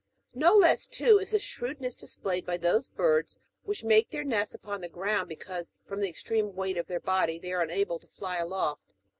In^o less, too, is the shrewdness displayed by those birds which make their nests upon the ground, because, from the extreme weight of their body, they are unable to fly aloft.